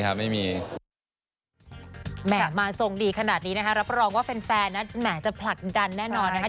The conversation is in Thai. แหมมาทรงดีขนาดนี้นะครับรับประโลกว่าแฟนนะแหมจะผลัดดันแน่นอนนะครับ